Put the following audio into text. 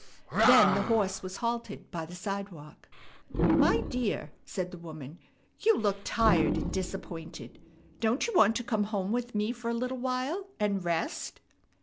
Then the horse was halted by the sidewalk. "My dear," said the woman, "you look tired and disappointed. Don't you want to come home with me for a little while, and rest?"